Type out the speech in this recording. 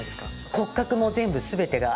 骨格も全部全てが。